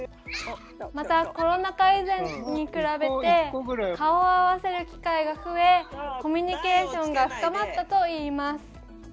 また、コロナ禍以前に比べて顔を合わせる機会が増えコミュニケーションが深まったといいます。